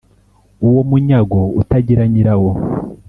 uwo munyago utagira nyirawo